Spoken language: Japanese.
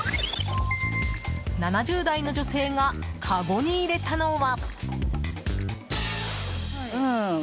７０代の女性がかごに入れたのは。